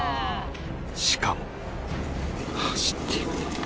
しかも